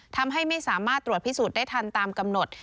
ทำให้ไม่สามารถตรวจพิสูจน์ได้ทันตามกำหนด